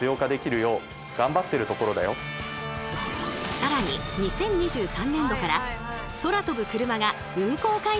更に２０２３年度から空飛ぶクルマが運行開始予定という話も。